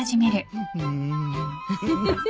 ウフフフ。